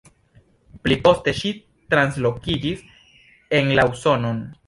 Pli poste ŝi translokiĝis en la Usonon.